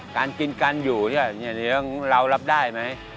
การกินการอยู่นี่เรารับได้ไหม